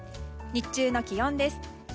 日中の気温です。